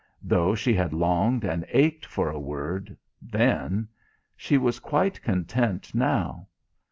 Though she had longed and ached for a word then she was quite content now.